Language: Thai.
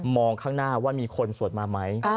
ข้างหน้าว่ามีคนสวดมาไหม